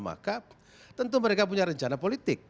maka tentu mereka punya rencana politik